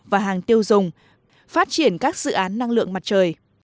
và hàng tiêu dùng phát triển các dự án năng lượng mặt trời